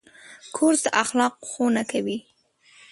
کورس د اخلاقو ښوونه کوي.